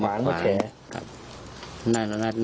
มามักขวางมาแควะ